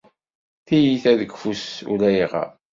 Tiyita deg ufus ulayɣer